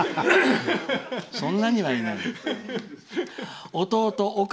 そんなにはいないか。